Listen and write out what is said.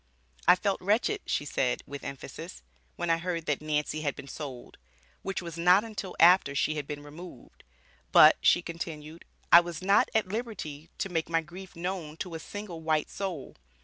"I felt wretched," she said, with emphasis, "when I heard that Nancy had been sold," which was not until after she had been removed. "But," she continued, "I was not at liberty to make my grief known to a single white soul.